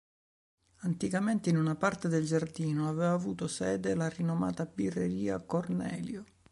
Anticamente in una parte del giardino aveva avuto sede la rinomata birreria "Cornelio".